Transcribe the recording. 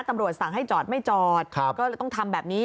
ตำรวจสั่งให้จอดไม่จอดก็เลยต้องทำแบบนี้